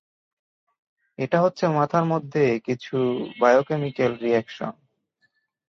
এটা হচ্ছে মাথার মধ্যে কিছু বায়োকেমিক্যাল রিঅ্যাকশন।